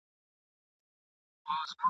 د وګړو آوازونه لوړېدله !.